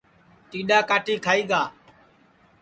ٹیڈؔا کاٹی کھائی گا